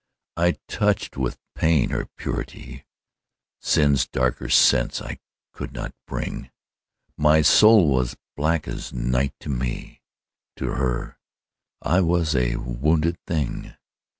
I touched with pain her purity; Sin's darker sense I could not bring: My soul was black as night to me: To her I was a wounded thing.